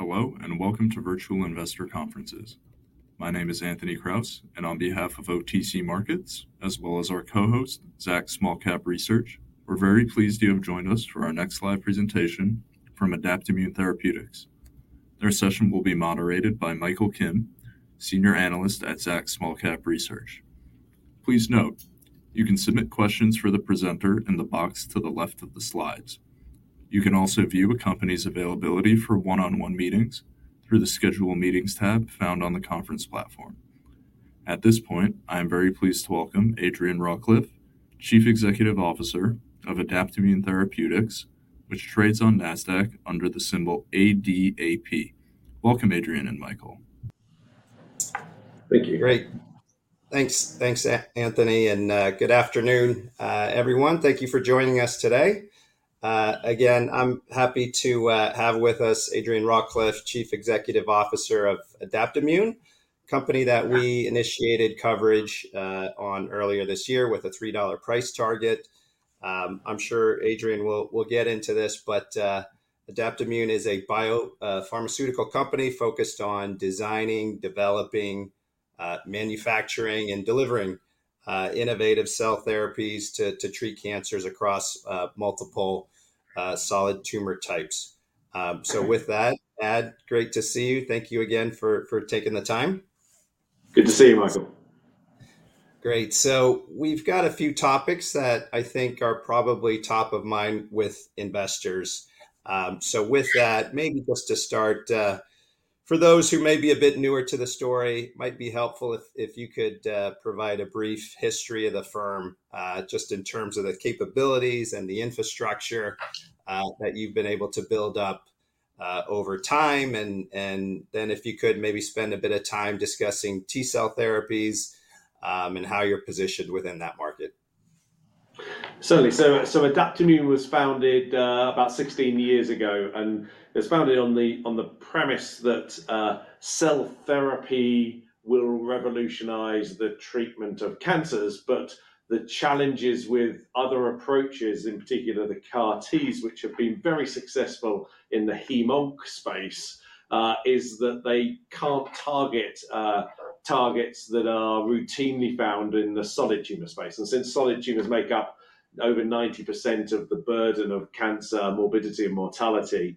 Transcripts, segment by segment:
Hello, and welcome to Virtual Investor Conferences. My name is Anthony Kraus, and on behalf of OTC Markets, as well as our co-host, Zacks Small Cap Research, we're very pleased you have joined us for our next live presentation from Adaptimmune Therapeutics. Their session will be moderated by Michael Kim, Senior Analyst at Zacks Small Cap Research. Please note, you can submit questions for the presenter in the box to the left of the slides. You can also view a company's availability for one-on-one meetings through the Schedule Meetings tab found on the conference platform. At this point, I am very pleased to welcome Adrian Rawcliffe, Chief Executive Officer of Adaptimmune Therapeutics, which trades on Nasdaq under the symbol ADAP. Welcome, Adrian and Michael. Thank you. Great. Thanks, thanks, Anthony, and good afternoon, everyone. Thank you for joining us today. Again, I'm happy to have with us Adrian Rawcliffe, Chief Executive Officer of Adaptimmune, a company that we initiated coverage on earlier this year with a $3 price target. I'm sure Adrian will get into this, but Adaptimmune is a biopharmaceutical company focused on designing, developing, manufacturing, and delivering innovative cell therapies to treat cancers across multiple solid tumor types. So with that, Ad, great to see you. Thank you again for taking the time. Good to see you, Michael. Great. So we've got a few topics that I think are probably top of mind with investors, so with that, maybe just to start, for those who may be a bit newer to the story, might be helpful if you could provide a brief history of the firm, just in terms of the capabilities and the infrastructure that you've been able to build up over time, and then if you could maybe spend a bit of time discussing T-cell therapies and how you're positioned within that market. Certainly. So Adaptimmune was founded about 16 years ago, and it was founded on the premise that cell therapy will revolutionize the treatment of cancers. But the challenges with other approaches, in particular the CAR-Ts, which have been very successful in the hemo space, is that they can't target targets that are routinely found in the solid tumor space. And since solid tumors make up over 90% of the burden of cancer, morbidity, and mortality,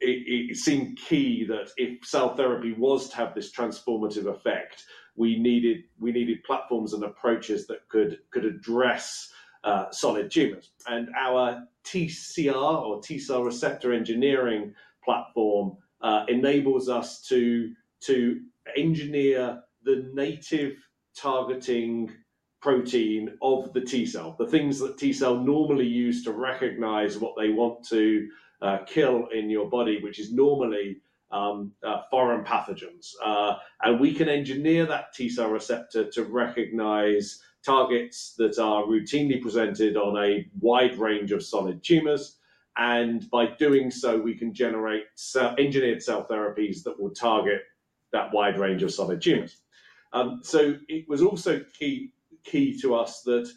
it seemed key that if cell therapy was to have this transformative effect, we needed platforms and approaches that could address solid tumors. And our TCR, or T-cell receptor engineering platform, enables us to, to engineer the native targeting protein of the T-cell, the things that T-cell normally use to recognize what they want to kill in your body, which is normally foreign pathogens. And we can engineer that T-cell receptor to recognize targets that are routinely presented on a wide range of solid tumors, and by doing so, we can generate cell, engineered cell therapies that will target that wide range of solid tumors. So it was also key to us that,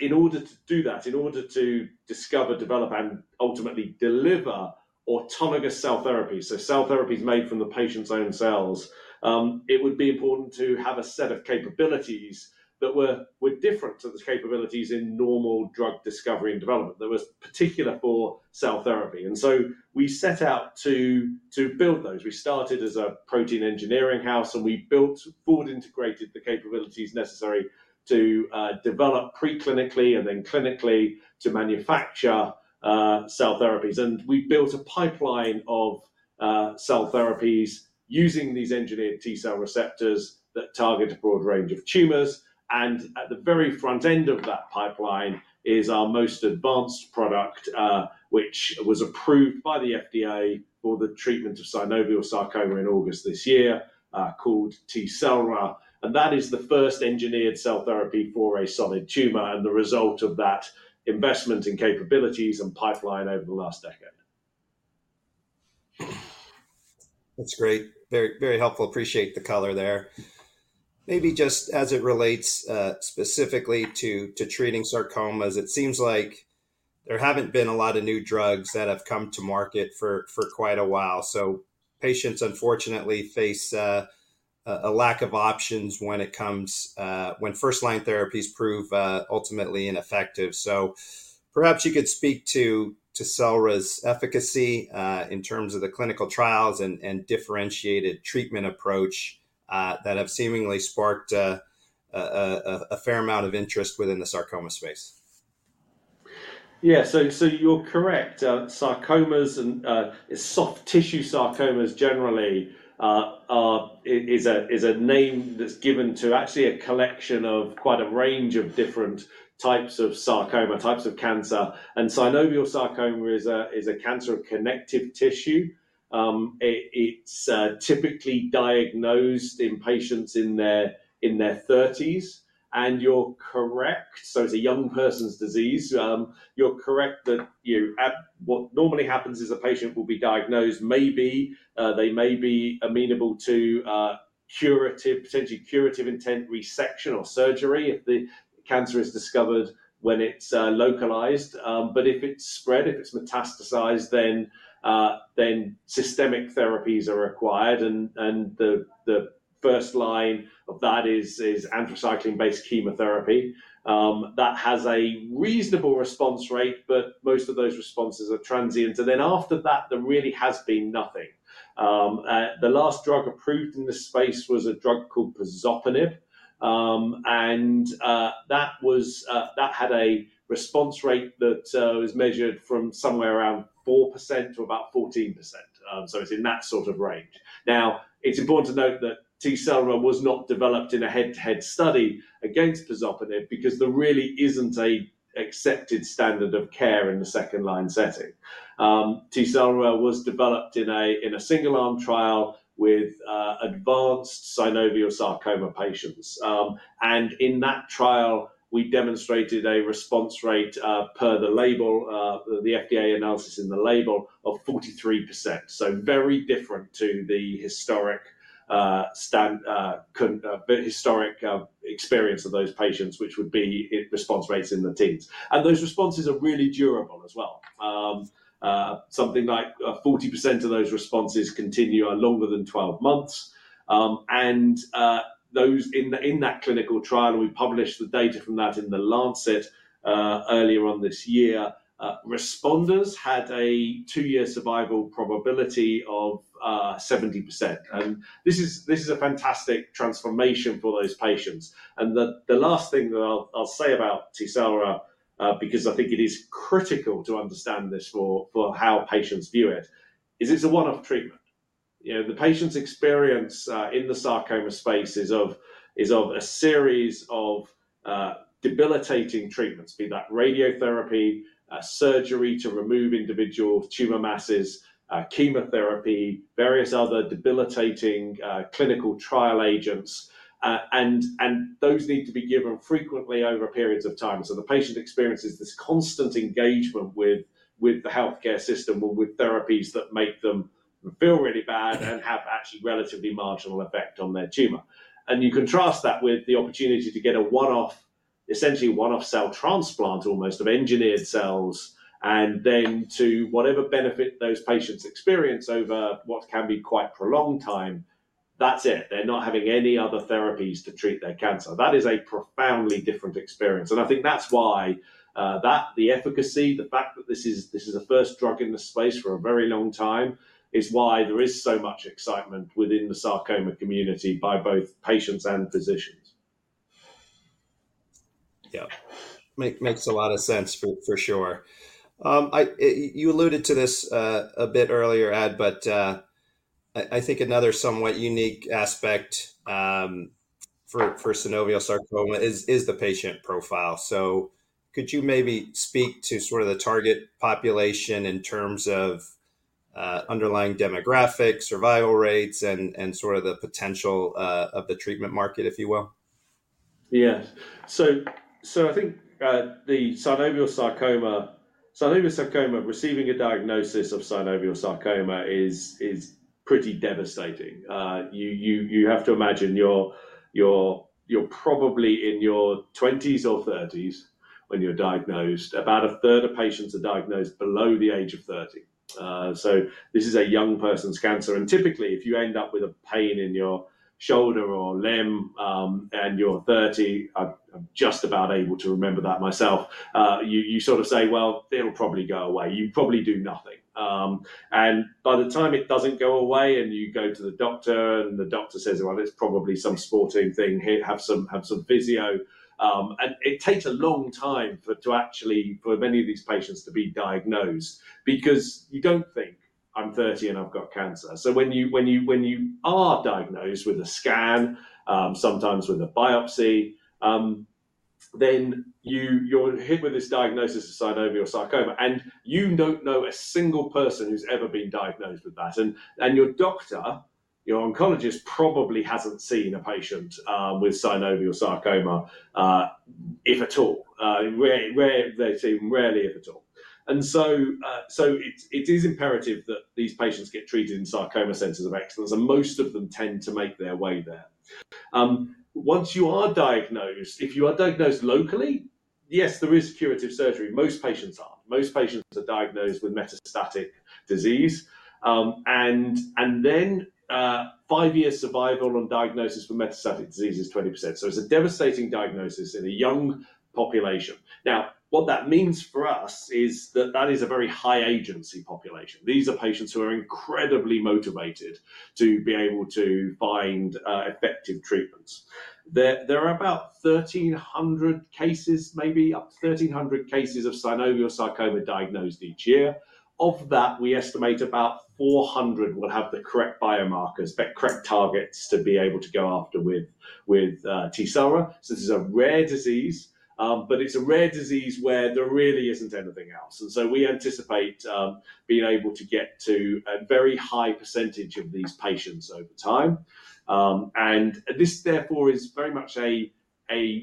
in order to do that, in order to discover, develop, and ultimately deliver autologous cell therapy, so cell therapies made from the patient's own cells, it would be important to have a set of capabilities that were different to the capabilities in normal drug discovery and development, that was particular for cell therapy, and so we set out to build those. We started as a protein engineering house, and we built forward-integrated the capabilities necessary to develop preclinically and then clinically to manufacture cell therapies, and we built a pipeline of cell therapies using these engineered T-cell receptors that target a broad range of tumors. And at the very front end of that pipeline is our most advanced product, which was approved by the FDA for the treatment synovial sarcoma in August this year, called Tecelra. And that is the first engineered cell therapy for a solid tumor, and the result of that investment in capabilities and pipeline over the last decade. That's great. Very, very helpful. Appreciate the color there. Maybe just as it relates specifically to treating sarcomas, it seems like there haven't been a lot of new drugs that have come to market for quite a while. So patients, unfortunately, face a lack of options when it comes when first-line therapies prove ultimately ineffective. So perhaps you could speak to Tecelra's efficacy in terms of the clinical trials and differentiated treatment approach that have seemingly sparked a fair amount of interest within the sarcoma space. Yeah. You're correct. Sarcomas and soft tissue sarcomas generally is a name that's given to actually a collection of quite a range of different types of sarcoma, types of cancer. synovial sarcoma is a cancer of connective tissue. It’s typically diagnosed in patients in their thirties, and you're correct, so it's a young person's disease. You're correct that what normally happens is a patient will be diagnosed, maybe they may be amenable to curative, potentially curative intent resection or surgery if the cancer is discovered when it’s localized. But if it’s spread, if it’s metastasized, then systemic therapies are required. And the first line of that is anthracycline-based chemotherapy. That has a reasonable response rate, but most of those responses are transient. And then after that, there really has been nothing. The last drug approved in this space was a drug called pazopanib. And that was... that had a response rate that was measured from somewhere around 4% to about 14%. So it's in that sort of range. Now, it's important to note that Tecelra was not developed in a head-to-head study against pazopanib, because there really isn't an accepted standard of care in the second-line setting. Tecelra was developed in a single-arm trial with synovial sarcoma patients. And in that trial, we demonstrated a response rate per the label, the FDA analysis in the label, of 43%. So very different to the historic standard conventional experience of those patients, which would be response rates in the teens. And those responses are really durable as well. Something like 40% of those responses continue longer than 12 months. And those in that clinical trial, and we published the data from that in The Lancet earlier on this year. Responders had a 2-year survival probability of 70%. And this is a fantastic transformation for those patients. The last thing that I'll say about Tecelra, because I think it is critical to understand this for how patients view it, is it's a one-off treatment. You know, the patient's experience in the sarcoma space is of a series of debilitating treatments, be that radiotherapy, surgery to remove individual tumor masses, chemotherapy, various other debilitating clinical trial agents. And those need to be given frequently over periods of time. The patient experiences this constant engagement with the healthcare system or with therapies that make them feel really bad and have actually relatively marginal effect on their tumor. You contrast that with the opportunity to get a one-off, essentially one-off cell transplant, almost, of engineered cells, and then to whatever benefit those patients experience over what can be quite a prolonged time, that's it. They're not having any other therapies to treat their cancer. That is a profoundly different experience, and I think that's why the efficacy, the fact that this is the first drug in this space for a very long time, is why there is so much excitement within the sarcoma community by both patients and physicians. Yeah. Makes a lot of sense, for sure. You alluded to this a bit earlier, Ad, but I think another somewhat unique aspect synovial sarcoma is the patient profile. So could you maybe speak to sort of the target population in terms of underlying demographics, survival rates, and sort of the potential of the treatment market, if you will? Yes, so I think synovial sarcoma receiving a diagnosis synovial sarcoma is pretty devastating. You have to imagine, you're probably in your twenties or thirties when you're diagnosed. About a third of patients are diagnosed below the age of thirty, so this is a young person's cancer, and typically, if you end up with a pain in your shoulder or limb, and you're thirty, I'm just about able to remember that myself, you sort of say, "Well, it'll probably go away." You probably do nothing, and by the time it doesn't go away, and you go to the doctor, and the doctor says, "Well, it's probably some sporting thing. Here, have some physio." And it takes a long time for many of these patients to be diagnosed. Because you don't think, "I'm thirty, and I've got cancer." So when you are diagnosed with a scan, sometimes with a biopsy, then you're hit with this diagnosis synovial sarcoma, and you don't know a single person who's ever been diagnosed with that, and your doctor, your oncologist, probably hasn't seen a patient synovial sarcoma, if at all. Rare, they've seen rarely, if at all. And so it is imperative that these patients get treated in sarcoma centers of excellence, and most of them tend to make their way there. Once you are diagnosed, if you are diagnosed locally, yes, there is curative surgery. Most patients aren't. Most patients are diagnosed with metastatic disease, and then five-year survival on diagnosis for metastatic disease is 20%. So it's a devastating diagnosis in a young population. Now, what that means for us is that is a very high agency population. These are patients who are incredibly motivated to be able to find effective treatments. There are about 1,300 cases, maybe up to 1,300 cases synovial sarcoma diagnosed each year. Of that, we estimate about 400 will have the correct biomarkers, the correct targets to be able to go after with Tecelra. So this is a rare disease, but it's a rare disease where there really isn't anything else, and so we anticipate being able to get to a very high percentage of these patients over time. And this, therefore, is very much a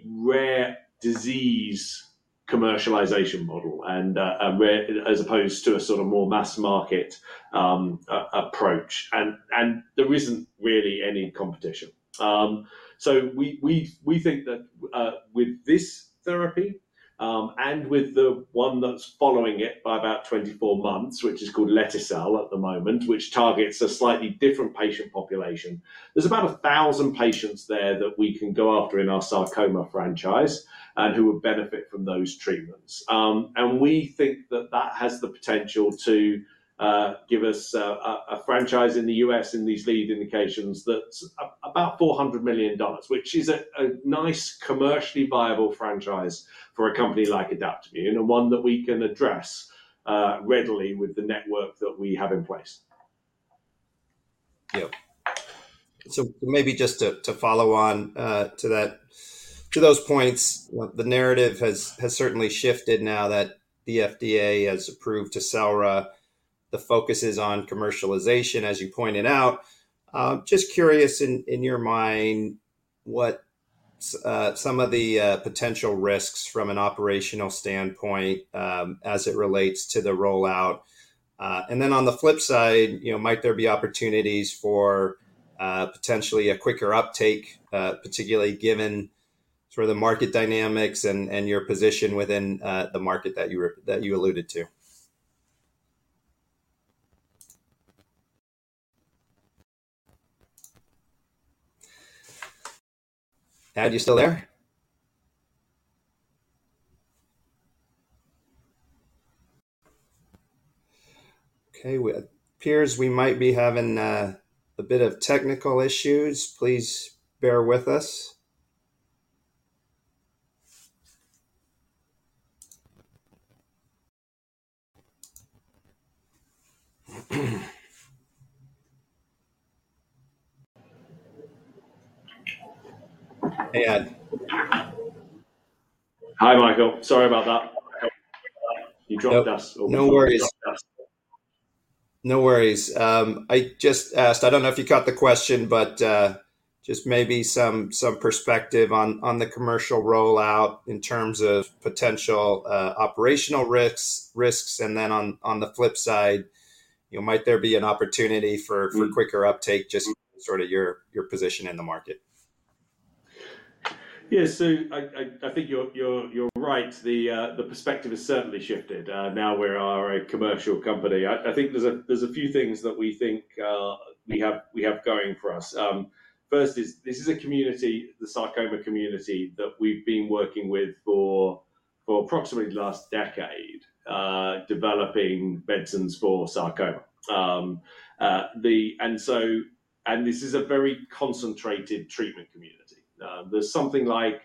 rare disease commercialization model, and, where as opposed to a sort of more mass market approach, and there isn't really any competition. So we think that, with this therapy, and with the one that's following it by about 24 months, which is called lete-cel at the moment, which targets a slightly different patient population, there's about a thousand patients there that we can go after in our sarcoma franchise and who would benefit from those treatments. And we think that that has the potential to give us a franchise in the U.S. in these lead indications that's about $400 million, which is a nice, commercially viable franchise for a company like Adaptimmune, and one that we can address readily with the network that we have in place. Yeah. So maybe just to follow on to that, to those points, what the narrative has certainly shifted now that the FDA has approved Tecelra. The focus is on commercialization, as you pointed out. Just curious in your mind, what some of the potential risks from an operational standpoint as it relates to the rollout? And then on the flip side, you know, might there be opportunities for potentially a quicker uptake, particularly given sort of the market dynamics and your position within the market that you alluded to? Ad, you still there? Okay, well, appears we might be having a bit of technical issues. Please bear with us. Hey, Ad. Hi, Michael. Sorry about that. You dropped us- No worries. You dropped us. No worries. I just asked, I don't know if you caught the question, but just maybe some perspective on the commercial rollout in terms of potential operational risks, and then on the flip side, you might there be an opportunity for... for quicker uptake, just sort of your position in the market? Yeah. So I think you're right. The perspective has certainly shifted. Now we are a commercial company. I think there's a few things that we think we have going for us. First is, this is a community, the sarcoma community, that we've been working with for approximately the last decade, developing medicines for sarcoma. And so, this is a very concentrated treatment community. There's something like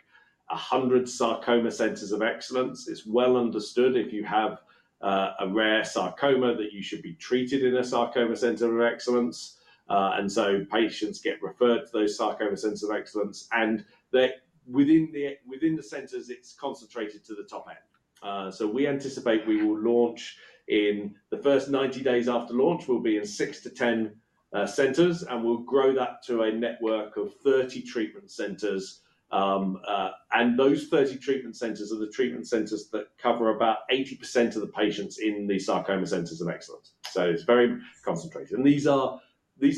100 sarcoma centers of excellence. It's well understood if you have a rare sarcoma, that you should be treated in a sarcoma center of excellence. And so patients get referred to those sarcoma centers of excellence, and they within the centers, it's concentrated to the top end. So we anticipate we will launch, in the first 90 days after launch, we'll be in six to 10 centers, and we'll grow that to a network of 30 treatment centers. And those 30 treatment centers are the treatment centers that cover about 80% of the patients in the sarcoma centers of excellence. So it's very concentrated. And these are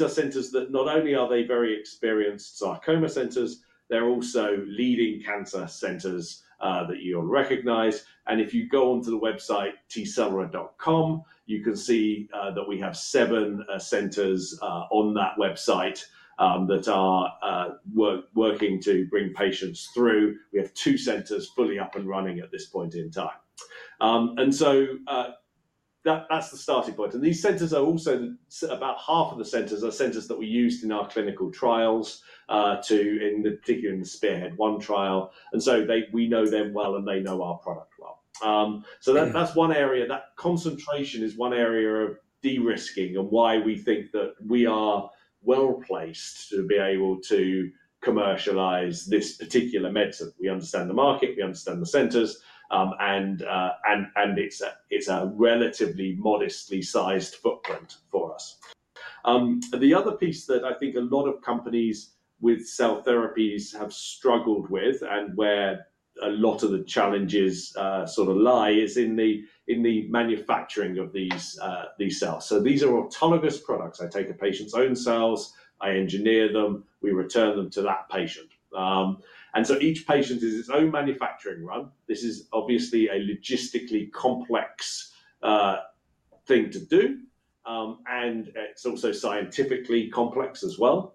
centers that not only are they very experienced sarcoma centers, they're also leading cancer centers that you'll recognize. And if you go onto the website, Tecelra.com, you can see that we have seven centers on that website that are working to bring patients through. We have two centers fully up and running at this point in time. And so that's the starting point. And these centers are also about half of the centers that we used in our clinical trials, in particular, in the SPEARHEAD-1 trial. So we know them well, and they know our product well. So that, that's one area, that concentration is one area of de-risking and why we think that we are well-placed to be able to commercialize this particular medicine. We understand the market, we understand the centers, and it's a relatively modestly sized footprint for us. The other piece that I think a lot of companies with cell therapies have struggled with, and where a lot of the challenges sort of lie, is in the manufacturing of these cells. So these are autologous products. I take a patient's own cells, I engineer them, we return them to that patient. And so each patient is his own manufacturing run. This is obviously a logistically complex thing to do, and it's also scientifically complex as well.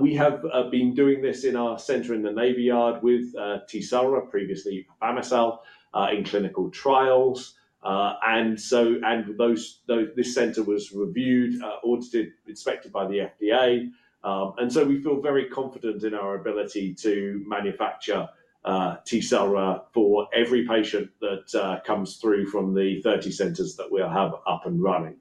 We have been doing this in our center in the Navy Yard with Tecelra, previously afami-cel, in clinical trials. And so, at most this center was reviewed, audited, inspected by the FDA, and so we feel very confident in our ability to manufacture Tecelra for every patient that comes through from the 30 centers that we'll have up and running.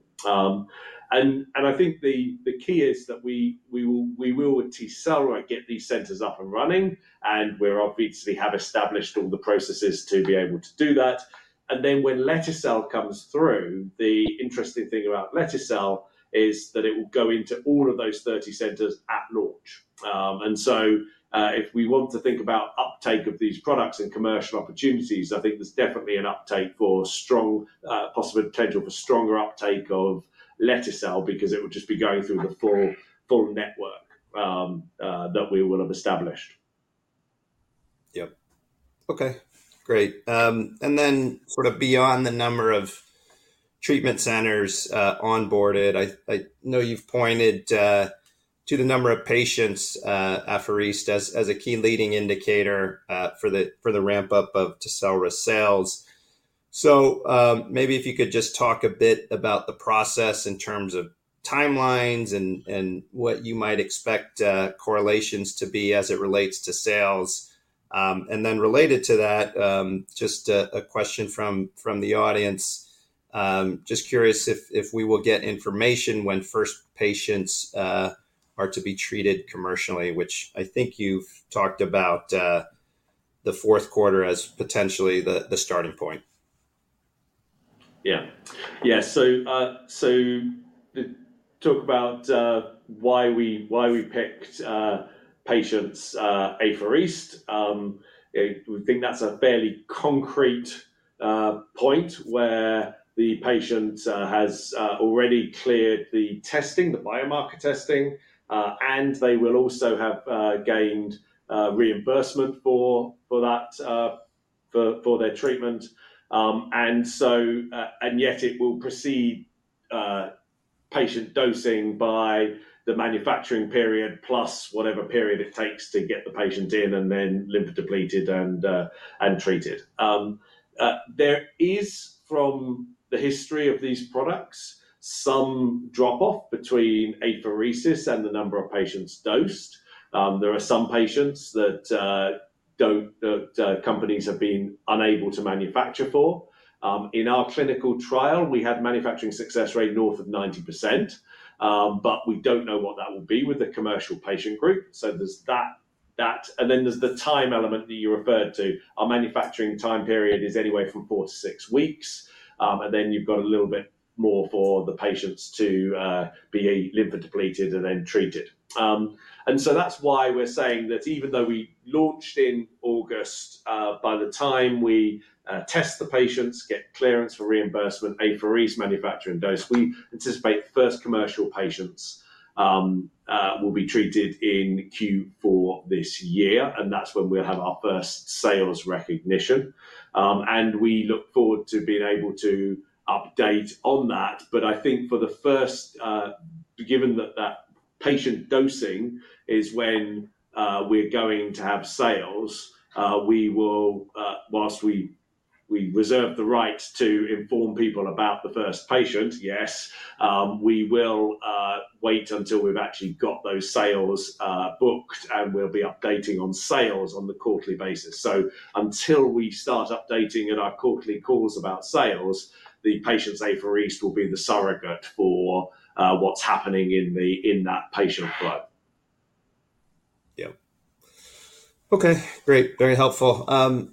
I think the key is that we will with Tecelra get these centers up and running, and we're obviously have established all the processes to be able to do that. Then when lete-cel comes through, the interesting thing about lete-cel is that it will go into all of those 30 centers at launch. And so, if we want to think about uptake of these products and commercial opportunities, I think there's definitely an uptake for strong, possible potential for stronger uptake of lete-cel because it would just be going through the full network that we will have established. Yep. Okay, great. And then sort of beyond the number of treatment centers onboarded, I know you've pointed to the number of patients apheresis as a key leading indicator for the ramp-up of Tecelra sales. So, maybe if you could just talk a bit about the process in terms of timelines and what you might expect correlations to be as it relates to sales. And then related to that, just a question from the audience. Just curious if we will get information when first patients are to be treated commercially, which I think you've talked about, the fourth quarter as potentially the starting point. Yeah. Yeah, so to talk about why we picked patients, apheresis. We think that's a fairly concrete point where the patient has already cleared the testing, the biomarker testing, and they will also have gained reimbursement for that, for their treatment. And so, and yet it will precede patient dosing by the manufacturing period, plus whatever period it takes to get the patient in, and then lymphodepleted and treated. There is, from the history of these products, some drop-off between apheresis and the number of patients dosed. There are some patients that the companies have been unable to manufacture for. In our clinical trial, we had manufacturing success rate north of 90%. But we don't know what that will be with the commercial patient group, so there's that, and then there's the time element that you referred to. Our manufacturing time period is anywhere from four to six weeks. And then you've got a little bit more for the patients to be lymphodepleted and then treated. And so that's why we're saying that even though we launched in August, by the time we test the patients, get clearance for reimbursement, apheresis, manufacture, and dose, we anticipate the first commercial patients will be treated in Q4 this year, and that's when we'll have our first sales recognition. And we look forward to being able to update on that, but I think for the first, given that patient dosing is when we're going to have sales, we will whilst we reserve the right to inform people about the first patient. Yes, we will wait until we've actually got those sales booked, and we'll be updating on sales on the quarterly basis. So until we start updating at our quarterly calls about sales, the patient's apheresis will be the surrogate for what's happening in that patient flow. Yeah. Okay, great. Very helpful.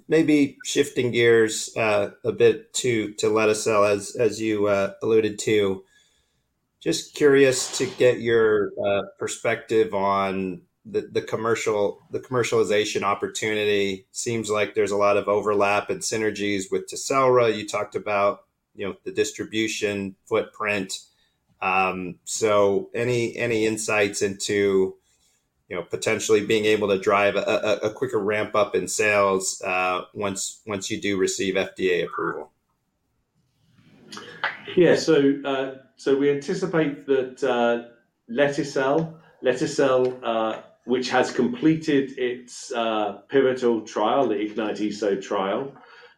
Maybe shifting gears a bit to lete-cel, as you alluded to. Just curious to get your perspective on the commercialization opportunity. Seems like there's a lot of overlap and synergies with Tecelra. You talked about, you know, the distribution footprint. So any insights into, you know, potentially being able to drive a quicker ramp-up in sales once you do receive FDA approval? Yeah. So we anticipate that lete-cel, lete-cel, which has completed its pivotal trial, the IGNYTE-ESO trial,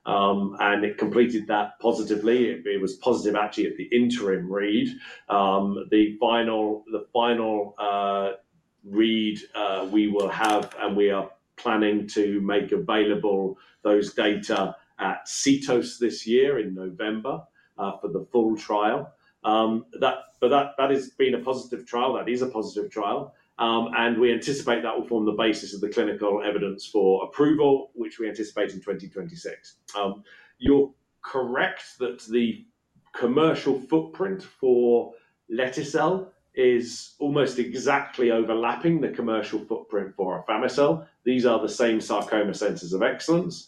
and it completed that positively. It was positive, actually, at the interim read. The final read we will have, and we are planning to make available those data at CTOS this year, in November, for the full trial. But that has been a positive trial. That is a positive trial. And we anticipate that will form the basis of the clinical evidence for approval, which we anticipate in 2026. You're correct that the commercial footprint for lete-cel is almost exactly overlapping the commercial footprint for Tecelra. These are the same sarcoma centers of excellence.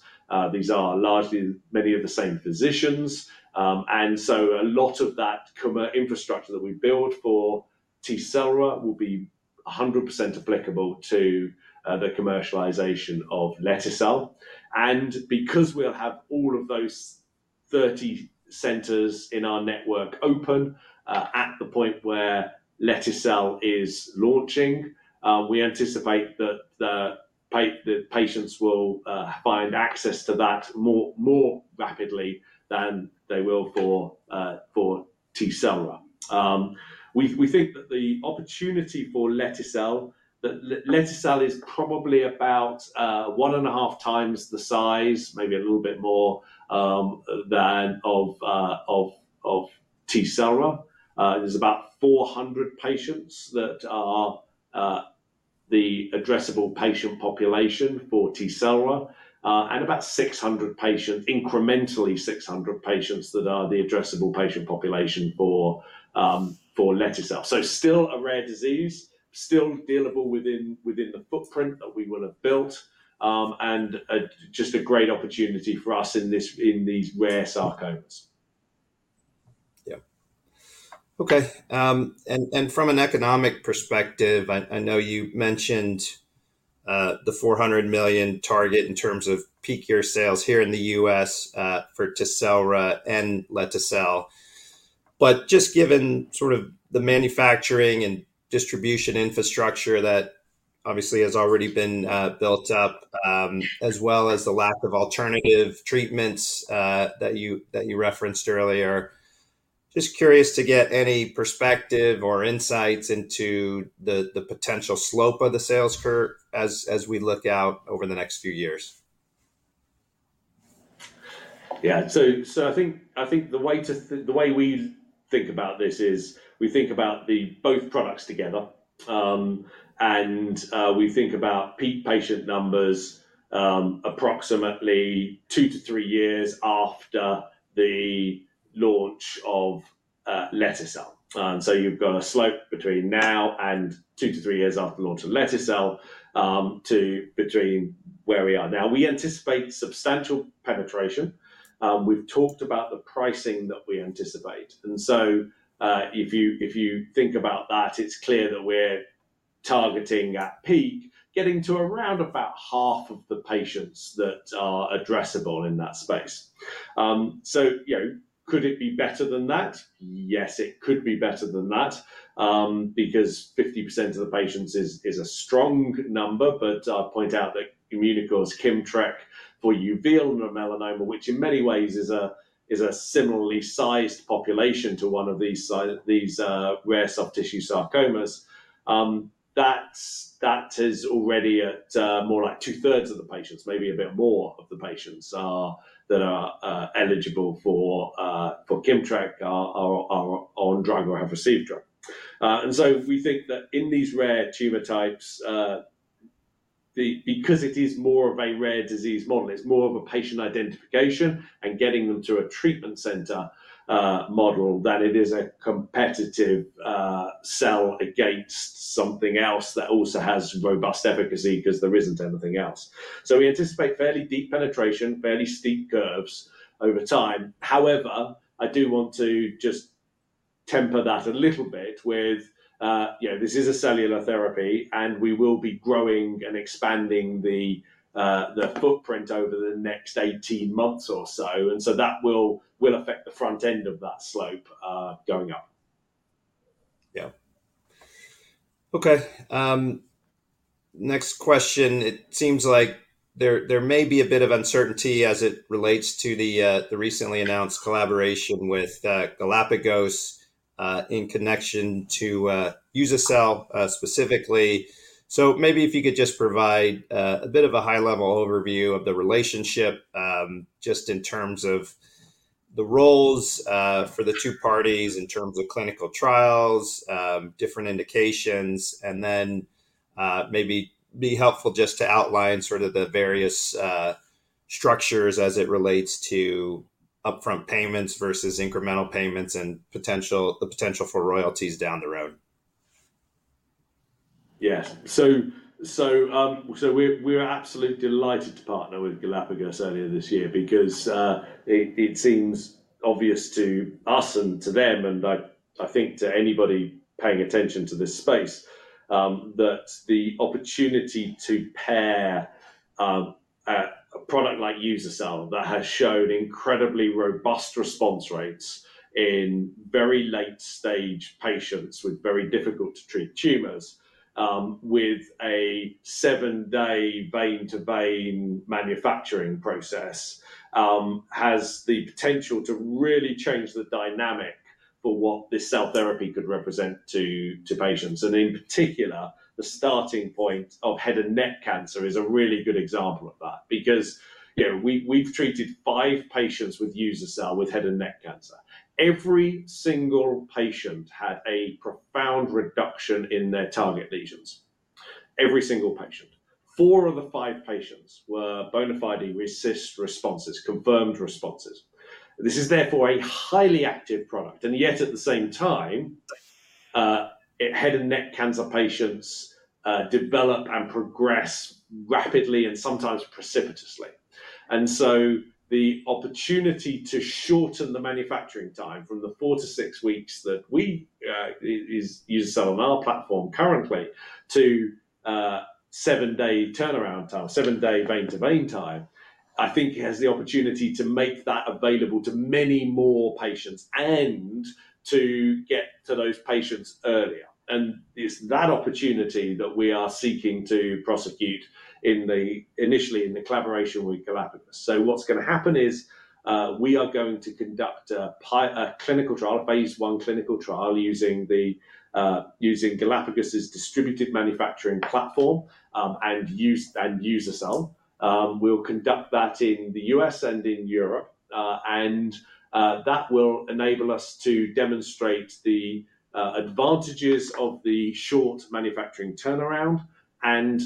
These are largely many of the same physicians. And so a lot of that commer... Infrastructure that we built for Tecelra will be 100% applicable to the commercialization of lete-cel. Because we'll have all of those 30 centers in our network open at the point where lete-cel is launching, we anticipate that the patients will find access to that more rapidly than they will for Tecelra. We think that the opportunity for lete-cel, that lete-cel is probably about one and a half times the size, maybe a little bit more, than that of Tecelra. There's about 400 patients that are the addressable patient population for Tecelra, and about 600 patients, incrementally 600 patients, that are the addressable patient population for lete-cel. So still a rare disease, still dealable within the footprint that we will have built, and just a great opportunity for us in these rare sarcomas. Yeah. Okay, and from an economic perspective, I know you mentioned the four hundred million target in terms of peak year sales here in the US for Tecelra and lete-cel. But just given sort of the manufacturing and distribution infrastructure that obviously has already been built up, as well as the lack of alternative treatments that you referenced earlier, just curious to get any perspective or insights into the potential slope of the sales curve as we look out over the next few years. Yeah. So I think the way we think about this is we think about both products together. And we think about peak patient numbers approximately two to three years after the launch of lete-cel. And so you've got a slope between now and two to three years after the launch of lete-cel to between where we are now. We anticipate substantial penetration. We've talked about the pricing that we anticipate, and so if you think about that, it's clear that we're targeting at peak getting to around about half of the patients that are addressable in that space. So you know, could it be better than that? Yes, it could be better than that, because 50% of the patients is a strong number, but I'll point out that Immunocore's Kimmtrak for uveal melanoma, which in many ways is a similarly sized population to one of these rare soft tissue sarcomas. That is already at more like two-thirds of the patients, maybe a bit more of the patients that are eligible for Kimmtrak are on drug or have received drug. And so we think that in these rare tumor types, because it is more of a rare disease model, it's more of a patient identification and getting them to a treatment center model, than it is a competitive sell against something else that also has robust efficacy because there isn't anything else. So we anticipate fairly deep penetration, fairly steep curves over time. However, I do want to just temper that a little bit with, you know, this is a cellular therapy, and we will be growing and expanding the footprint over the next eighteen months or so, and so that will affect the front end of that slope going up. Yeah. Okay, next question. It seems like there may be a bit of uncertainty as it relates to the recently announced collaboration with Galapagos in connection to uza-cel specifically. So maybe if you could just provide a bit of a high-level overview of the relationship just in terms of the roles for the two parties, in terms of clinical trials, different indications, and then maybe be helpful just to outline sort of the various structures as it relates to upfront payments versus incremental payments and the potential for royalties down the road. Yeah. So we were absolutely delighted to partner with Galapagos earlier this year because it seems obvious to us and to them, and I think to anybody paying attention to this space, that the opportunity to pair a product like uza-cel that has shown incredibly robust response rates in very late-stage patients with very difficult to treat tumors, with a seven-day vein-to-vein manufacturing process, has the potential to really change the dynamic for what this cell therapy could represent to patients. And in particular, the starting point of head and neck cancer is a really good example of that. Because, you know, we've treated five patients with uza-cel, with head and neck cancer. Every single patient had a profound reduction in their target lesions. Every single patient. Four of the five patients were bona fide RECIST responses, confirmed responses. This is therefore a highly active product, and yet at the same time, head and neck cancer patients develop and progress rapidly and sometimes precipitously. The opportunity to shorten the manufacturing time from the four to six weeks that we use on our platform currently, to seven-day turnaround time, seven-day vein-to-vein time, I think has the opportunity to make that available to many more patients and to get to those patients earlier. It's that opportunity that we are seeking to prosecute in the initially in the collaboration with Galapagos. What's going to happen is we are going to conduct a clinical trial, a phase one clinical trial using the using Galapagos distributed manufacturing platform, and uza-cel. We'll conduct that in the U.S. and in Europe, and that will enable us to demonstrate the advantages of the short manufacturing turnaround and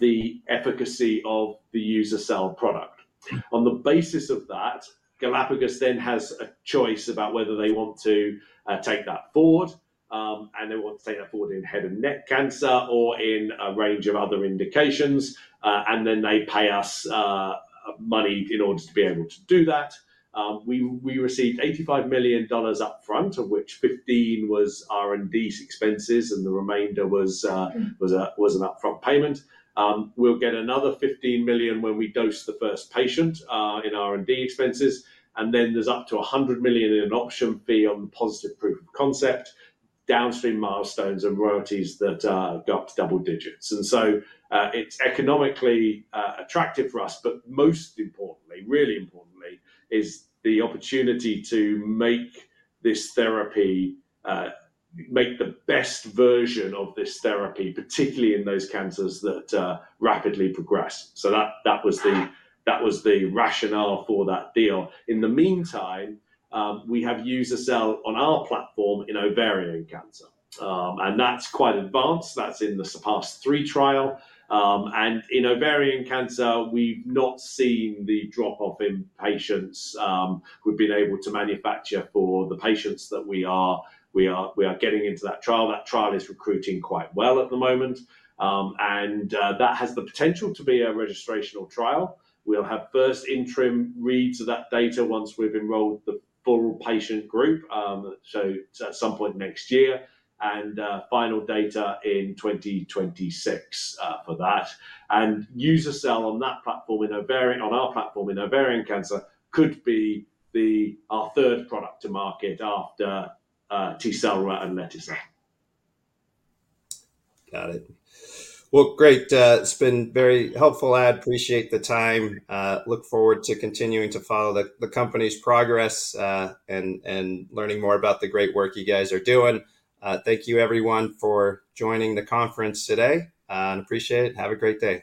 the efficacy of the uza-cel product. On the basis of that, Galapagos then has a choice about whether they want to take that forward, and they want to take that forward in head and neck cancer or in a range of other indications, and then they pay us money in order to be able to do that. We received $85 million upfront, of which $15 million was R&D expenses, and the remainder was an upfront payment. We'll get another $15 million when we dose the first patient in R&D expenses, and then there's up to $100 million in an option fee on positive proof of concept.... downstream milestones and royalties that go up to double digits. And so it's economically attractive for us, but most importantly, really importantly, is the opportunity to make this therapy, make the best version of this therapy, particularly in those cancers that rapidly progress. So that was the rationale for that deal. In the meantime, we have uza-cel on our platform in ovarian cancer. And that's quite advanced. That's in the SURPASS-3 trial. And in ovarian cancer, we've not seen the drop-off in patients. We've been able to manufacture for the patients that we are getting into that trial. That trial is recruiting quite well at the moment. And that has the potential to be a registrational trial. We'll have first interim reads of that data once we've enrolled the full patient group, so at some point next year, and final data in 2026 for that. And uza-cel on our platform in ovarian cancer could be the, our third product to market after Tecelra and lete-cel. Got it. Well, great, it's been very helpful. I appreciate the time. Look forward to continuing to follow the company's progress, and learning more about the great work you guys are doing. Thank you everyone for joining the conference today, and appreciate it. Have a great day.